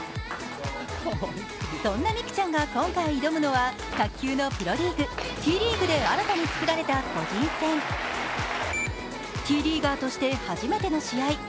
そんな美空ちゃんが今回挑むのは卓球のプロリーグ、Ｔリーグで新たにつくられた個人戦Ｔリーガーとして、初めての試合。